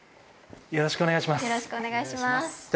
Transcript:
よろしくお願いします。